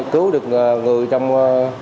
cứu được người trong